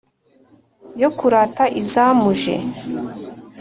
yo kurata izamuje,